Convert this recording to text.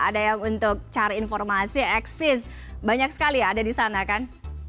ada yang untuk cari informasi eksis banyak sekali ya ada di sana kan